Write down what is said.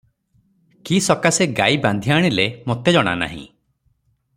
କି ସକାଶେ ଗାଈ ବାନ୍ଧିଆଣିଲେ ମୋତେ ଜଣାନାହିଁ ।